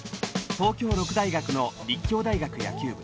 東京六大学の立教大学野球部。